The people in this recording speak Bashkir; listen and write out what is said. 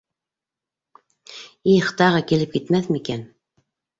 - Их, тағы килеп китмәҫ микән?